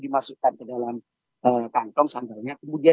jadi usahakan membawa kantong sandal atau pilihan